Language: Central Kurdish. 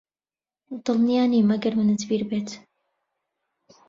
دڵنیا نیم ئەگەر منت بیر بێت